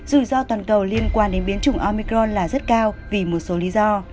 rủi ro toàn cầu liên quan đến biến chủng omicron là rất cao vì một số lý do